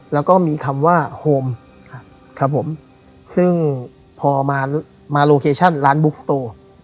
แล้วก็มีคำว่าโฮมครับครับผมซึ่งพอมามาโลเคชั่นร้านบุ๊กโต